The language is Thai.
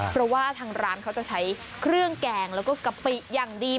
เพราะว่าทางร้านเขาจะใช้เครื่องแกงแล้วก็กะปิอย่างดี